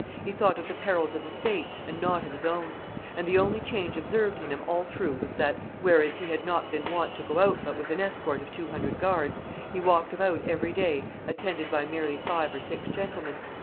He thought of the perils of the state, and not of his own; and the only change observed in him all through was that, whereas he had not been wont to go out but with an escort of two hundred guards, he walked about, every day, attended by merely five or six gentlemen.